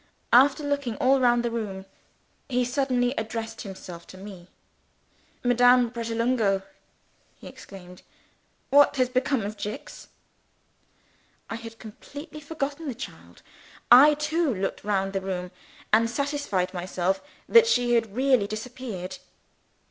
After looking all round the room, he suddenly addressed himself to me. "Madame Pratolungo!" he exclaimed. "What has become of Jicks?" I had completely forgotten the child. I too looked round the room, and satisfied myself that she had really disappeared.